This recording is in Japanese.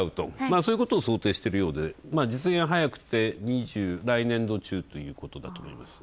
そういうことを想定しているようで、実現は早くて来年だということです。